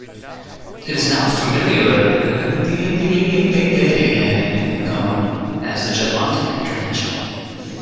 It is now familiarly known as the Juddmonte International.